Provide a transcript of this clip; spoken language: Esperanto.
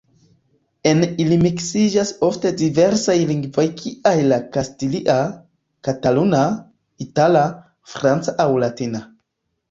En ili miksiĝas ofte diversaj lingvoj kiaj la kastilia, kataluna, itala, franca aŭ latina.